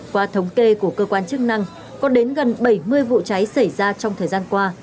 qua thống kê của cơ quan chức năng có đến gần bảy mươi vụ cháy xảy ra trong thời gian qua